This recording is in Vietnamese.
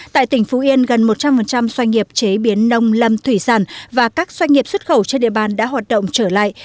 tại tỉnh phú yên gần một trăm linh doanh nghiệp chế biến nông lâm thủy sản và các doanh nghiệp xuất khẩu trên địa bàn đã hoạt động trở lại